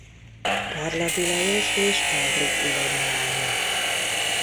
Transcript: Parlagi Lajos és Ehrlich Ilona lánya.